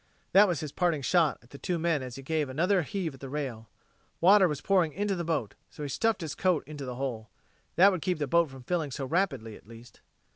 That was his parting shot at the two men as he gave another heave at the rail. Water was pouring into the boat, so he stuffed his coat into the hole. That would keep the boat from filling so rapidly, at least.